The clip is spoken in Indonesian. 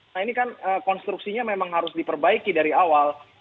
nah ini kan konstruksinya memang harus diperbaiki dari awal